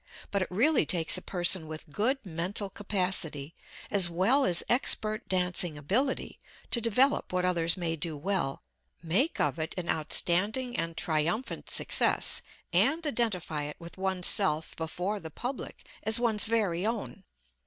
But it really takes a person with good mental capacity as well as expert dancing ability to develop what others may do well, make of it an outstanding and triumphant success, and identify it with one's self before the public as one's very own.